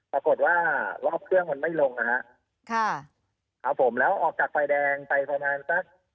ปรากฏว่ารอบเครื่องมันไม่ลงนะฮะค่ะครับผมแล้วออกจากไฟแดงไปประมาณสัก